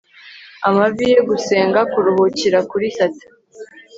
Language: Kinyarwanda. Amavi ye gusenga kuruhukira kuri satin